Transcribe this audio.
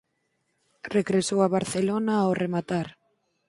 Regresou a Barcelona ao rematar.